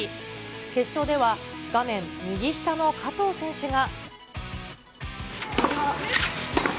決勝では画面右下の加藤選手が。